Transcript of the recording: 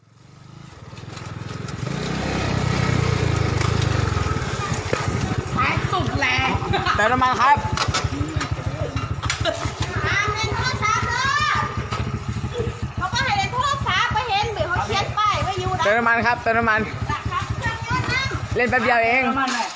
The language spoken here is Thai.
เติมน้ำมันครับเติมน้ำมันเล่นแป๊บเดียวเอง